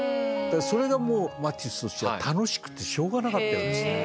それがもうマティスとしては楽しくてしょうがなかったようですね。